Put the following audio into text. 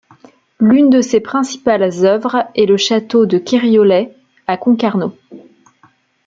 L'une de ses principales œuvres est le château de Kériolet, à Concarneau.